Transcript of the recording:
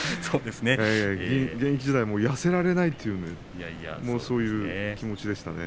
現役時代、痩せられないというそういう気持ちでしたね。